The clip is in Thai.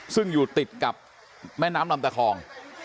ซึ่งอยู่ติดกับแม่น้ำลำตะคอง